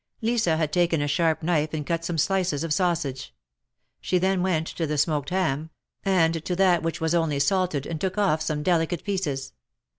Lisa had taken a sharp knife and cut some slices of sausage. She then went to the smoked ham, and to that which was only salted, and took off some delicate pieces.